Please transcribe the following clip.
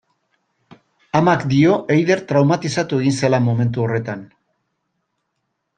Amak dio Eider traumatizatu egin zela momentu horretan.